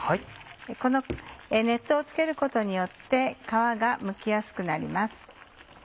この熱湯に漬けることによって皮がむきやすくなります。